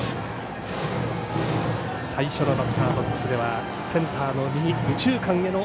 最初のバッターボックスではセンターの右、右中間への